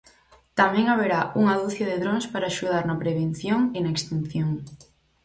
Tamén haberá unha ducia de drons para axudar na prevención e na extinción.